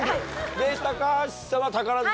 で高橋さんは宝塚。